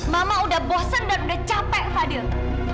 mama sudah bosan dan sudah capek fadil